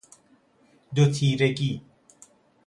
دوتیرگی